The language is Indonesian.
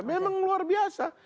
memang luar biasa